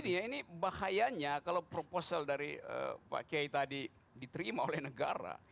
ini bahayanya kalau proposal dari pak kiai tadi diterima oleh negara